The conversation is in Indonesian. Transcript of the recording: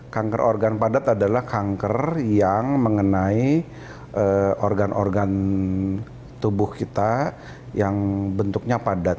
kanker organ padat adalah kanker yang mengenai organ organ tubuh kita yang bentuknya padat